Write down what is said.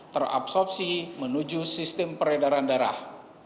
terabsorpsi menuju sistem peredaran darah